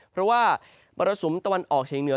เพราะว่ามรสุมตะวันออกเชียงเหนือ